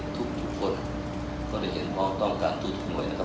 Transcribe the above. ทุกคนเขาได้เห็นพ่อต้องการทุกคนหน่วยนะครับ